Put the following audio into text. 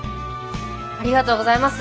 ありがとうございます。